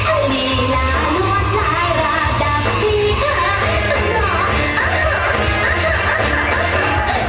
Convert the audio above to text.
อันเนละลวดสายราดับที่อีก